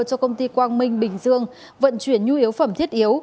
cho công ty quang minh bình dương vận chuyển nhu yếu phẩm thiết yếu